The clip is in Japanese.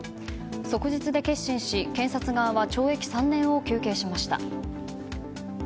即日で結審し検察側は懲役３年を求刑しました。